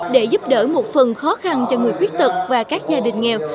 để giúp đỡ một phần khó khăn cho người khuyết tật và các gia đình nghèo